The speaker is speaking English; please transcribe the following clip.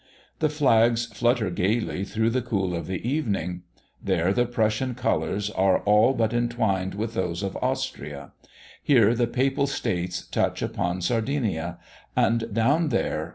The flags flutter gaily through the cool of the evening. There the Prussian colours are all but entwined with those of Austria. Here the Papal States touch upon Sardinia. And down there!